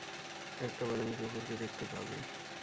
একটা বাদামী কুকুরকে দেখতে পাবে।